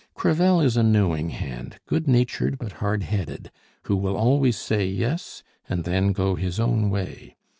Crevel is a knowing hand, good natured but hard headed, who will always say Yes, and then go his own way.